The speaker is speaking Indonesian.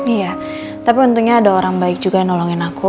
iya tapi tentunya ada orang baik juga yang nolongin aku